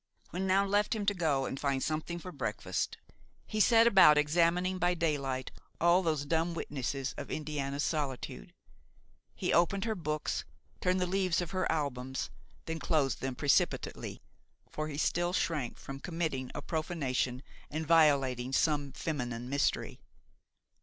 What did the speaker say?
When Noun left him to go and find something for breakfast, he set about examining by daylight all those dumb witnesses of Indiana's solitude. He opened her books, turned the leaves of her albums, then closed them precipitately; for he still shrank from committing a profanation and violating some feminine mystery.